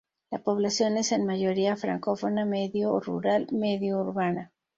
La población es en mayoría francófona medio rural medio urbana.